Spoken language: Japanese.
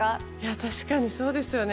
確かにそうですよね。